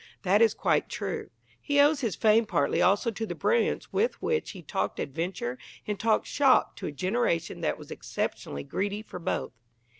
That is quite true. He owes his fame partly also to the brilliance with which he talked adventure and talked "shop" to a generation that was exceptionally greedy for both.